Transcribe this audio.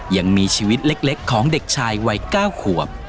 ยังมีชีวิตเล็กของเด็กชายวัย๙ขวบ